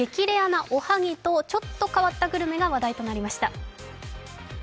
レアなおはぎとちょっと変わったグルメが話題になりました。